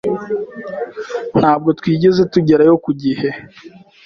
Ntabwo twigeze tugerayo ku gihe.